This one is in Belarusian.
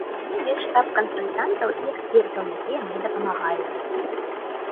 У мяне ёсць штаб кансультантаў і экспертаў, якія мне дапамагаюць.